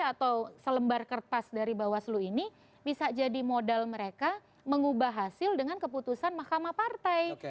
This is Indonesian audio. atau selembar kertas dari bawaslu ini bisa jadi modal mereka mengubah hasil dengan keputusan mahkamah partai